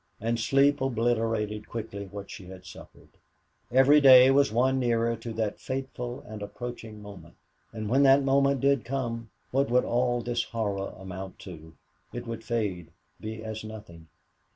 And sleep obliterated quickly what she had suffered. Every day was one nearer to that fateful and approaching moment. And when that moment did come what would all this horror amount to? It would fade be as nothing.